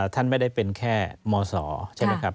ท่านไม่ได้เป็นแค่มศใช่ไหมครับ